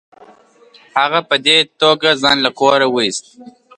هغه په دې توګه ځان له کوره وایست.